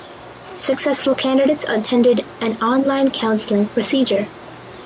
Successful candidates attended an online counseling procedure.